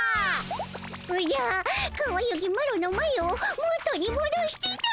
おじゃかわゆきマロのまゆを元にもどしてたも。